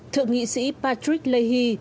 thượng nghị sĩ patrick leahy